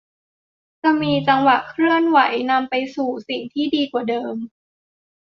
มีจังหวะเคลื่อนไหวนำไปสู่สิ่งที่ดีกว่าเดิม